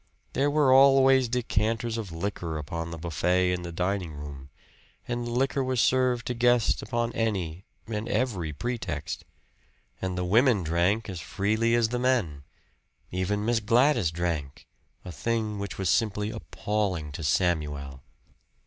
There were always decanters of liquor upon the buffet in the dining room; and liquor was served to guests upon any and every pretext. And the women drank as freely as the men even Miss Gladys drank, a thing which was simply appalling to Samuel.